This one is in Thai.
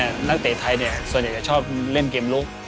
พนักเตะไทยส่วนใหญ่จะชอบเล่นเกมรุ๊ก